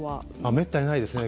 めったにないですね。